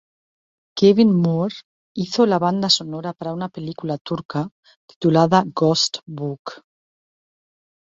Kevin Moore hizo la banda sonora para una película turca titulada "Ghost Book".